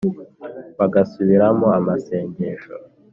bagasubiramo amasengesho